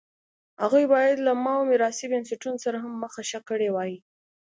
هغوی باید له ماوو میراثي بنسټونو سره هم مخه ښه کړې وای.